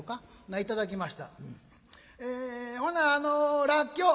「えほなあのらっきょう」。